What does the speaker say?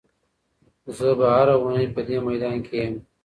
زه به هره اونۍ په دې میدان کې یم.